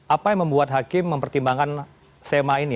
apa yang membuat hakim mempertimbangkan sema ini